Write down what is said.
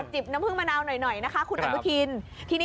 บน้ำผึ้งมะนาวหน่อยนะคะคุณอนุทิน